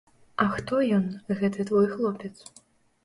А хто ён, гэты твой хлопец?